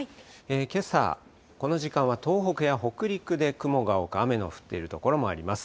けさ、この時間は東北や北陸で雲が多く、雨の降っている所もあります。